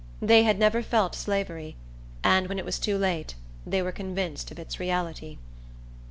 They had never felt slavery; and, when it was too late, they were convinced of its reality.